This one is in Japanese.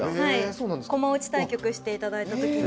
駒落ち対局していただいた時に。